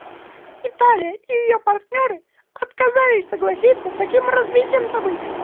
Италия и ее партнеры отказались согласиться с таким развитием событий.